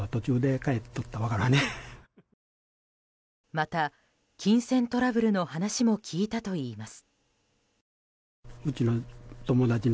また、金銭トラブルの話も聞いたといいます。